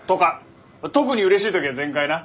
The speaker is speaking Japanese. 特にうれしい時は全開な。